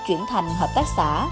chuyển thành hợp tác xã